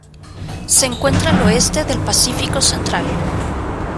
Se encuentra al oeste del Pacífico central.